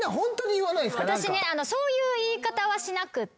私ねそういう言い方はしなくって。